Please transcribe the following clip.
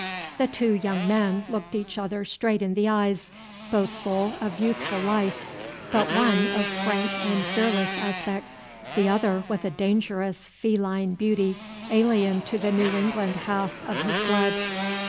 The two young men looked each other straight in the eyes, both full of youthful life, but one of frank and fearless aspect, the other with a dangerous feline beauty alien to the New England half of his blood.